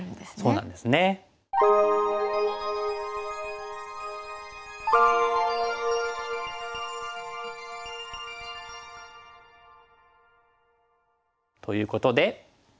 そうなんですね。ということで。